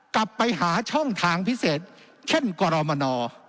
กลับไปหาช่องทางพิเศษเช่นกรมน